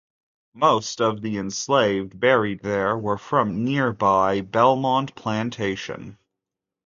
Most of the enslaved buried there were from nearby Belmont Plantation.